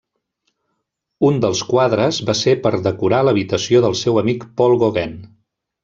Un dels quadres va ser per a decorar l'habitació del seu amic Paul Gauguin.